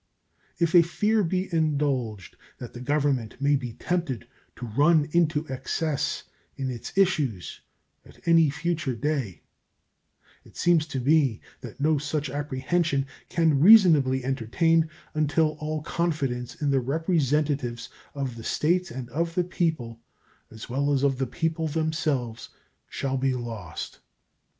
If a fear be indulged that the Government may be tempted to run into excess in its issues at any future day, it seems to me that no such apprehension can reasonably be entertained until all confidence in the representatives of the States and of the people, as well as of the people themselves, shall be lost.